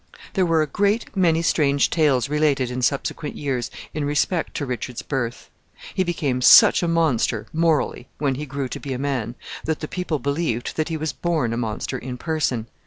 There were a great many strange tales related in subsequent years in respect to Richard's birth. He became such a monster, morally, when he grew to be a man, that the people believed that he was born a monster in person.